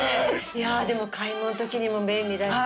いやでも買い物の時にも便利だし。